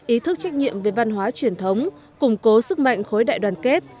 ý thức trách nhiệm về văn hóa truyền thống củng cố sức mạnh khối đại đoàn kết